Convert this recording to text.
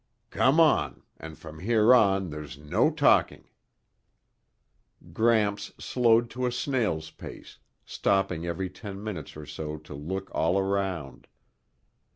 "Come on, and from here on there's no talking." Gramps slowed to a snail's pace, stopping every ten minutes or so to look all around.